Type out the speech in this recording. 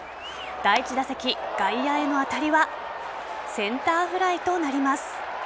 第１打席、外野への当たりはセンターフライとなります。